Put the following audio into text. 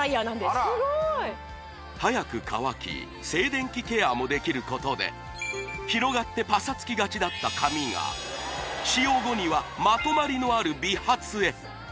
すごーいはやく乾き静電気ケアもできることで広がってパサつきがちだった髪が使用後にはまとまりのある美髪へ